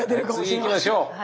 次いきましょう！